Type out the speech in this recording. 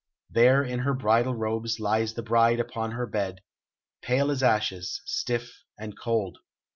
There in her bridal robes lies the bride upon her bed, pale as ashes, stiff and cold.